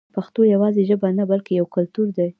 پښتو یوازې ژبه نه بلکې یو کلتور دی.